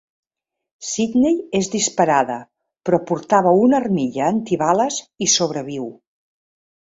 Sidney és disparada, però portava una armilla antibales i sobreviu.